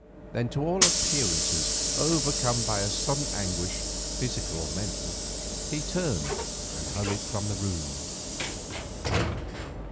Then, to all appearances overcome by a sudden anguish, physical or mental, he turned and hurried from the room.